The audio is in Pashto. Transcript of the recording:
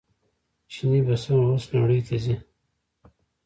چیني بسونه اوس نړۍ ته ځي.